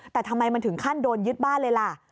แต่ทำไมมันถึงขั้นโดนยึดบ้านเลยล่ะ